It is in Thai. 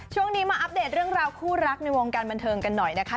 ช่วงนี้มาอัปเดตเรื่องราวคู่รักในวงการบันเทิงกันหน่อยนะคะ